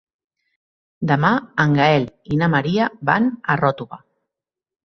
Demà en Gaël i na Maria van a Ròtova.